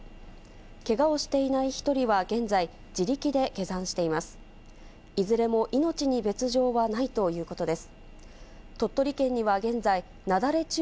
けがをしていない１人は現在、自力で下山しています。